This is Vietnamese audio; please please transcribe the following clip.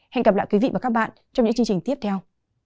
hẹn gặp lại quý vị và các bạn trong những chương trình tiếp theo